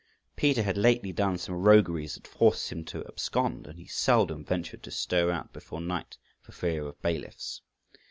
Peter had lately done some rogueries that forced him to abscond, and he seldom ventured to stir out before night for fear of bailiffs.